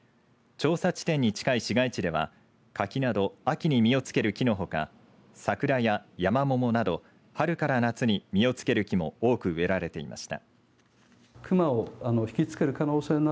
調査地点に近い市街地ではカキなど秋に実をつける木のほかサクラやヤマモモなど春から夏に実をつける木も多く植えられていました。